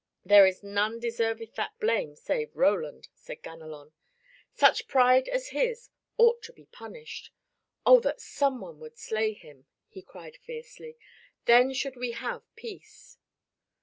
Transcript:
"There is none deserveth that blame save Roland," said Ganelon. "Such pride as his ought to be punished. Oh, that some one would slay him!" he cried fiercely. "Then should we have peace."